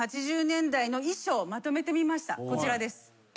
こちらです。